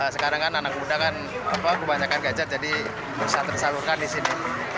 sekarang kan anak muda kan kebanyakan gadget jadi bisa tersalurkan di sini